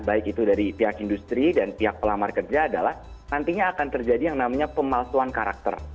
baik itu dari pihak industri dan pihak pelamar kerja adalah nantinya akan terjadi yang namanya pemalsuan karakter